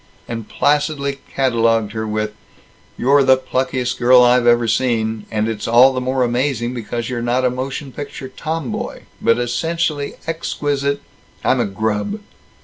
and placidly catalogued her with, "You're the pluckiest girl I've ever seen, and it's all the more amazing because you're not a motion picture Tomboy, but essentially exquisite " "I'm a grub."